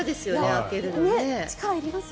開けるのね。